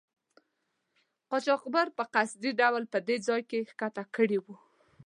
قاچاقبر په قصدي ډول په دې ځای کې ښکته کړي وو.